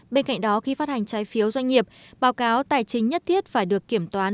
bên cạnh đó khi phát hành trái phiếu doanh nghiệp báo cáo tài chính nhất thiết phải được kiểm toán